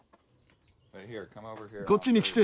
こっちに来て。